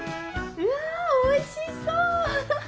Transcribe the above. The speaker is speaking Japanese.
うわおいしそう！